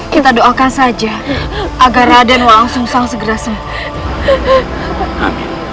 kita doakan saja agar ada nolong sang segera